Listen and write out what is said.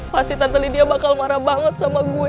pasti tante lydia bakal marah banget sama gue